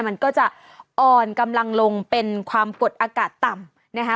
มันก็จะอ่อนกำลังลงเป็นความกดอากาศต่ำนะคะ